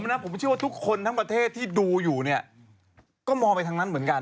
ผมไม่เชื่อว่าทุกคนทั้งประเทศที่ดูอยู่เนี่ยก็มองไปทั้งนั้นเหมือนกัน